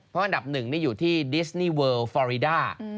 เพราะอันดับ๑อยู่ที่ดิสนีย์เวิร์ลฟอริดา